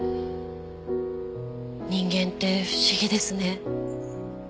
人間って不思議ですね。